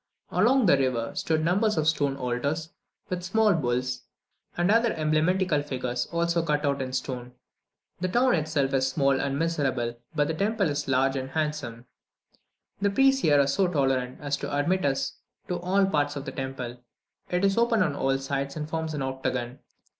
Along the river stood numbers of stone altars, with small bulls, and other emblematical figures, also cut in stone. The town itself is small and miserable, but the temple is large and handsome. The priests were here so tolerant as to admit us to all parts of the temple. It is open on all sides, and forms an octagon.